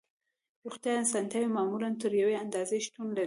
روغتیایی اسانتیاوې معمولاً تر یوې اندازې شتون لري